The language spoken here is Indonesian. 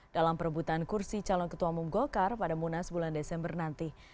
dalam perebutan kursi calon ketua umum golkar pada munas bulan desember nanti